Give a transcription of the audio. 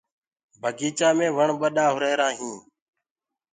بگيچآ مي وڻ ٻڏآ هو رهيرآ هينٚ۔